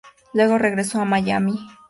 Luego regresó a Miami.